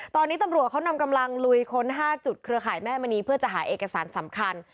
ตอนนี้ตำรวจเขานำกำลังลุยค้น๕จุดเครือข่ายแม่มณีเพื่อจะหาเอกสารสำคัญ